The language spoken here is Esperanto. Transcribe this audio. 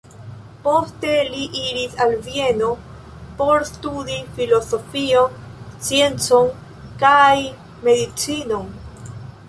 Poste li iris al Vieno por studi filozofion, sciencon kaj medicinon.